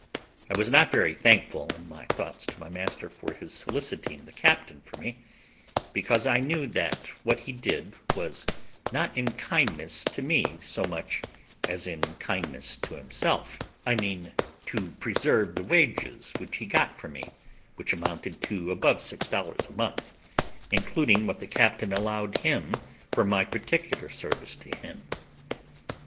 I was not very thankful in my thoughts to my master for his soliciting the captain for me, because I knew that what he did was not in kindness to me so much as in kindness to himself; I mean, to preserve the wages which he got for me, which amounted to above six dollars a month, including what the captain allowed him for my particular service to him.